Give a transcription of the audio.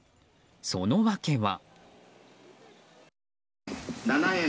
その訳は。